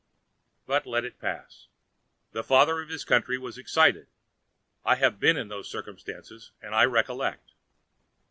But let it pass; the Father of his Country was excited. I have been in those circumstances, and I recollect.